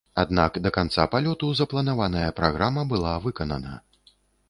Аднак, да канца палёту запланаваная праграма была выканана.